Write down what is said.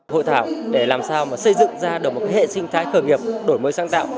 hội thảo để làm sao mà xây dựng ra được một hệ sinh thái khởi nghiệp đổi mới sáng tạo